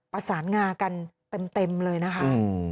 ประสานงากันเต็มเลยนะคะ